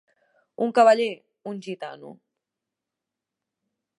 Un cavaller, un gitano.